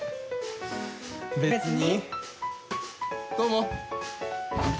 別に。